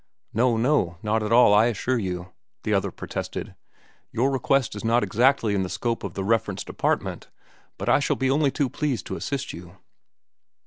"No, no; not at all, I assure you," the other protested. "Your request is not exactly in the scope of the reference department, but I shall be only too pleased to assist you."